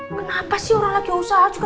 kenapa sih orang lagi usaha juga